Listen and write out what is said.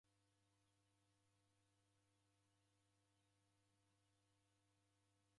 Mitambo ra mavuda na gasi riredagha kazi nyingi.